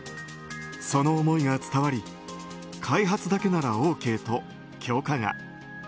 その思いが伝わり開発だけならＯＫと許可が。